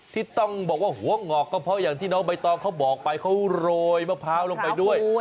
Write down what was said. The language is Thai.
ที่ต้องบอกว่าหัวหงอกก็เพราะอย่างที่น้องใบตองเขาบอกไปเขาโรยมะพร้าวลงไปด้วย